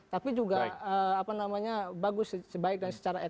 tapi juga bagus baik dan secara etnis